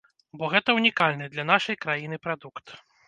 Бо гэта ўнікальны для нашай краіны прадукт.